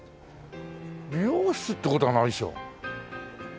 美容室って事はないでしょ。